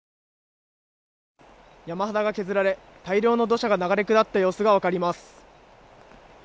山肌が削られ、大量の土砂が流れ下った様子が分かります。